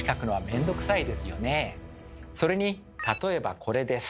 それに例えばこれです。